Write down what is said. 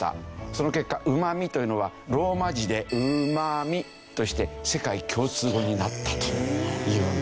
その結果うま味というのはローマ字でＵＭＡＭＩとして世界共通語になったというんですね。